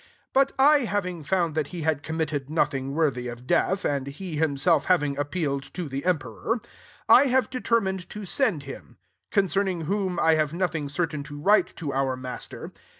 15 But I having found that he i^A committed nothing worthy >f d^th, and he himself having ippealed to the Emperor, I ^ve determmed to send [/tirn]* 26 Concerning whom I have Mtkkig certain to write to >ur Master.